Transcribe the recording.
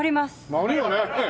回るよね？